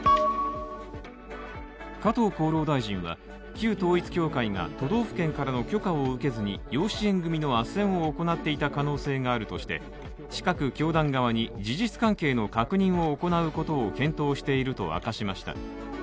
加藤厚労大臣は旧統一教会が都道府県からの許可を受けずに養子縁組の斡旋を行っていた可能性があるとして近く、教団側に事実関係の確認を行うことを検討していることを明かしました。